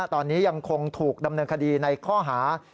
ตอนนี้ยังคงถูกดำเนินคดีในข้อหา